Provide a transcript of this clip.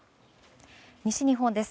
西日本です。